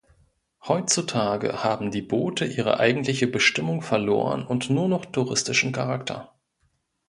Heutzutage haben die Boote ihre eigentliche Bestimmung verloren und nur noch touristischen Charakter.